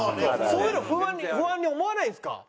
そういうの不安に思わないんですか？